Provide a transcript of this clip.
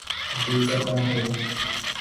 ابھی کہاں ہو؟